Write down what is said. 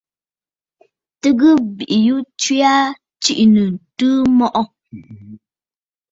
Tɨgə bìꞌiyu tswe aa tsiꞌì nɨ̂ ǹtɨɨ mɔꞌɔ̀?